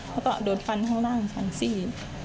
แล้วก็โดนฟันข้างล่างฟันซี่